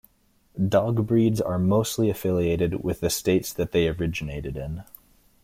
Dog breeds are mostly affiliated with the states that they originated in.